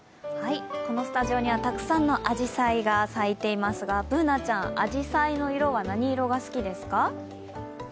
このスタジオにはたくさんのあじさいが咲いていますがＢｏｏｎａちゃん、あじさいの色は何色が好きですか。